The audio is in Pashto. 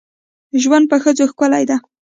ژوند په ښځو ښکلی ده.